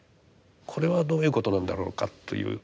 これはどういうことなんだろうかという。